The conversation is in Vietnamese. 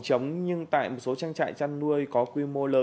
chống nhưng tại một số trang trại chăn nuôi có quy mô lớn